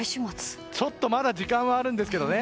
ちょっとまだ時間はあるんですけどね。